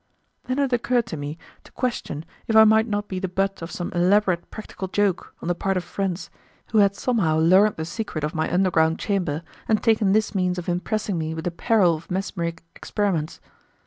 Then it occurred to me to question if I might not be the butt of some elaborate practical joke on the part of friends who had somehow learned the secret of my underground chamber and taken this means of impressing me with the peril of mesmeric experiments.